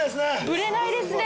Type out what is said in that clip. ブレないですね。